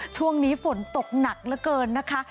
ช่วงนี้ฝนตกหนักเหลือเกินนะคะ